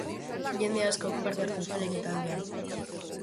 Jende askok parte hartu zuen ekitaldian.